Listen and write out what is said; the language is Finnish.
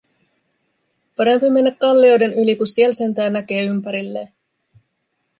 Parempi mennä kallioiden yli, ku siel sentää näkee ympärillee."